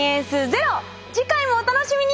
次回もお楽しみに！